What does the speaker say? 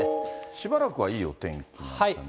しばらくはいいお天気なんですかね。